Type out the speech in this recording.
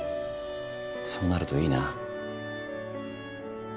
そうなるといいな。